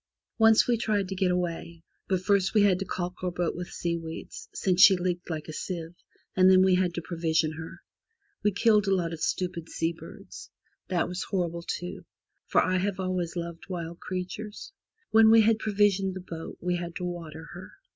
Once we tried to get away, but first we had to caulk our boat with seaweeds, since she leaked like a sieve, and then we had to provision her. We killed a lot of stupid sea birds. That was horrible, too, for I have always loved wild creatures. When we had provisioned the boat we had to water her.